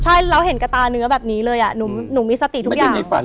ใช่แล้วเห็นกระตาเนื้อแบบนี้เลยหนูมีสติทุกอย่าง